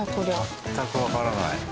全くわからない。